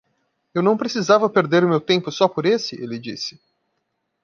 "Eu não precisava perder meu tempo só por esse?" ele disse.